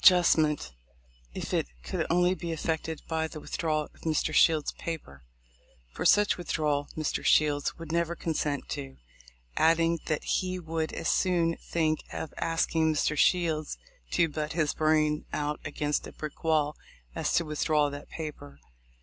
justment, if it could only be effected by the with drawal of Mr. Shield's paper, for such withdrawal Mr. Shields would never consent to ; adding, that he would as soon think of asking Mr. Shields to "butt his brains out against a brick wall as to with draw that paper."